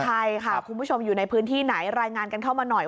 ใช่ค่ะคุณผู้ชมอยู่ในพื้นที่ไหนรายงานกันเข้ามาหน่อย